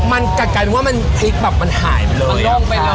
มันกลับกลายเป็นว่ามันพลิกแบบมันหายไปเลยมันโล่งไปเลย